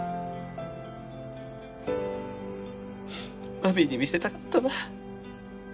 真美に見せたかったな。